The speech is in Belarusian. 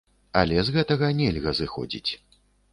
Але з гэтага нельга зыходзіць.